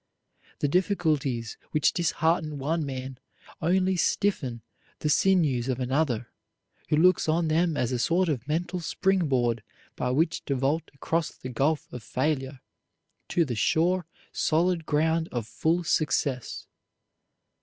The difficulties which dishearten one man only stiffen the sinews of another, who looks on them as a sort of mental spring board by which to vault across the gulf of failure to the sure, solid ground of full success.